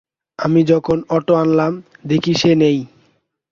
আমি যখন অটো আনলাম, দেখি সে নেই।